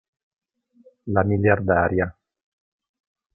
La miliardaria